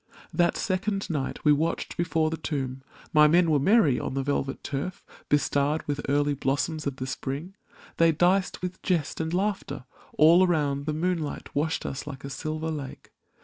That second night we watched before the tomb; My men were merry; on the velvet turf, Bestarred with early blossoms of the Spring, They diced with jest and laughter; all around The moonlight washed us like a silver lake.